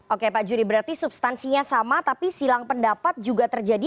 oke pak juri berarti substansinya sama tapi silang pendapat juga terjadi